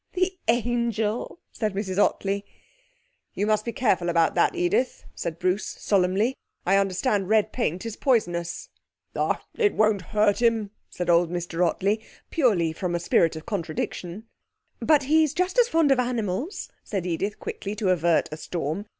'The angel!' said Mrs Ottley. 'You must be careful about that, Edith,' said Bruce solemnly. 'I understand red paint is poisonous.' 'It won't hurt him,' said old Mr Ottley, purely from a spirit of contradiction. 'But he's just as fond of animals,' said Edith quickly, to avert a storm.